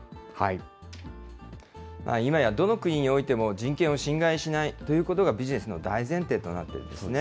今やどの国においても人権を侵害しないということが、ビジネスの大前提となっているんですね。